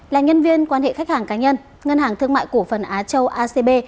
là nhân viên quan hệ khách hàng cá nhân ngân hàng thương mại cổ phần á châu acb